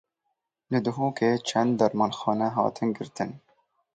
Li Duhokê çend dermanxane hatin girtin.